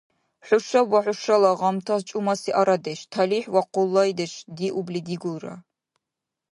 Хӏушаб ва хӏушала гъамтас чӏумаси арадеш, талихӏ ва къулайдеш диубли дигулра.